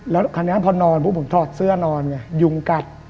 แล้วคราวนี้พอนอนปุ๊บผมถอดเสื้อนอนไงยุงกัด